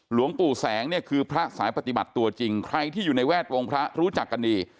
หลวงปู่แสงเนี่ยคือพระสายปฏิบัติตัวจริงใครที่อยู่ในแวดวงพระรู้จักกันดี